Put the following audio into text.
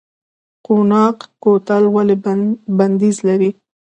قوناق کوتل ولې بندیز لري؟